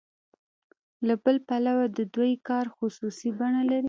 له بل پلوه د دوی کار خصوصي بڼه لري